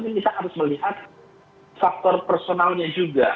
kita harus melihat faktor personalnya juga